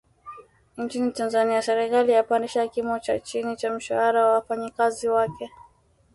Inchini Tanzania Serikali yapandisha kimo cha chini cha mshahara wa wafanyakazi wake